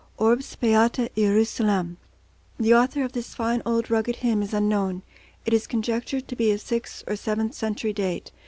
URBS BEATA HIERUSALEM, Part I The author of this fine old rugged hymn is unknown. It is conjectured to be of sixth or seventh century date.